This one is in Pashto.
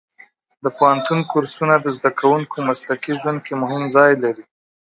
د پوهنتون کورسونه د زده کوونکو مسلکي ژوند کې مهم ځای لري.